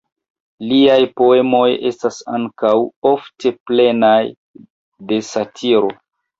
Liaj poemoj estas ankaŭ ofte plenaj de satiro.